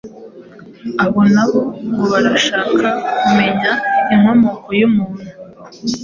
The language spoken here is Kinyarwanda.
aba nabo ngo barashaka kumenya inkomoko y’umuntu